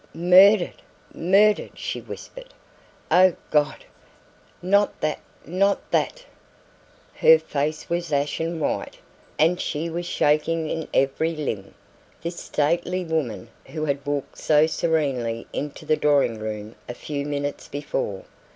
"Murdered! Murdered!" she whispered. "Oh, God! Not that, not that!" Her face was ashen white, and she was shaking in every limb, this stately woman who had walked so serenely into the drawing room a few minutes before.